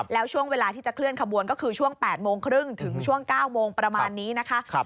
แล้วช่วงเวลาที่จะเคลื่อนขบวนก็คือช่วง๘โมงครึ่งถึงช่วง๙โมงประมาณนี้นะคะ